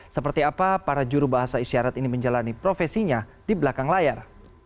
seperti apa para juru bahasa isyarat ini menjalani profesinya di belakang layar